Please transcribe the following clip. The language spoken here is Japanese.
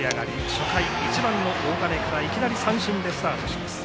初回、１番の大金からいきなり三振でスタートしました。